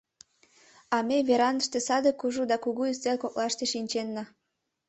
А ме верандыште саде кужу да кугу ӱстел коклаште шинченна.